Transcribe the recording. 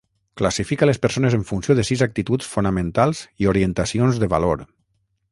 Classifica les persones en funció de sis actituds fonamentals i orientacions de valor.